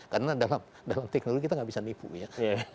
karena dalam teknologi kita gak bisa nipu ya